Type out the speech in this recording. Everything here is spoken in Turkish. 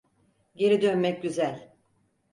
Geri dönmek güzel.